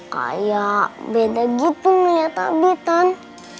kayak beda gitu ngeliat abi tante